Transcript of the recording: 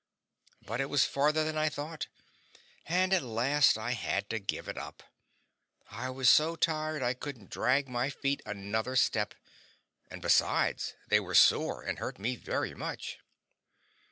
But it was farther than I thought, and at last I had to give it up; I was so tired I couldn't drag my feet another step; and besides, they were sore and hurt me very much.